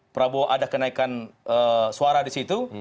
prabowo ada kenaikan suara di situ